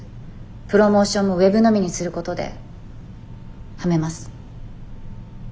プロモーションもウェブのみにすることではめます。